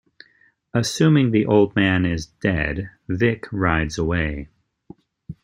Assuming the old man is dead, Vic rides away.